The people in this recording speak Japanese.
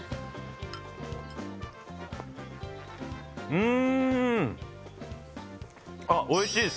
うん！